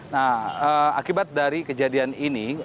nah akibat dari kejadian ini